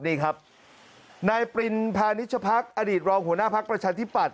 นี่ครับนายปรินพานิชพักอดีตรองหัวหน้าภักดิ์ประชาธิปัตย